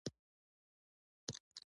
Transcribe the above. د امريکې جنگ چې شروع سو.